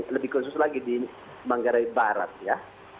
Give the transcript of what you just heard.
lebih khusus lagi di manggarai barat ya